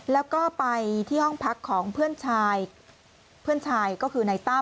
แล้วก็ไปที่ห้องพักของเพื่อนชายเพื่อนชายก็คือนายตั้ม